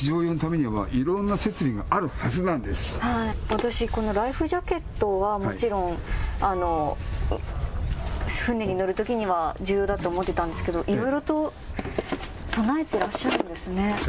私、ライフジャケットはちろん船に乗るときには重要だって思っていたんですけどいろいろと備えてらっしゃるんですね。